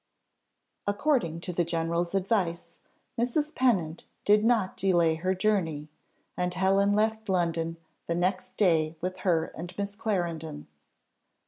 According to the general's advice, Mrs. Pennant did not delay her journey, and Helen left London the next day with her and Miss Clarendon.